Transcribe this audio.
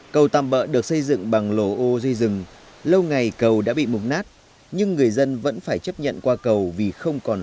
cầu treo này được xem như cây cầu huyết mạch của chín mươi năm hộ dân với hơn năm triệu đồng tiền